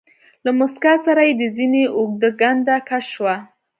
له موسکا سره يې د زنې اوږده کنده کش شوه.